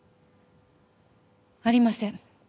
ありません。